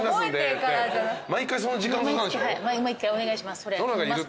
毎回お願いします。